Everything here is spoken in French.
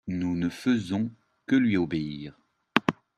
nous ne faisons que lui obérir.